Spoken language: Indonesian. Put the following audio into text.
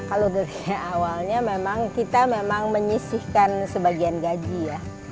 awalnya memang kita menyisihkan sebagian gaji ya